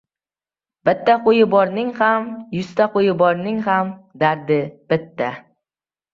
• Bitta qo‘yi borning ham, yuzta qo‘yi borning ham dardi bitta.